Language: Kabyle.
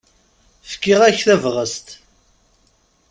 Fkiɣ-ak tabɣest.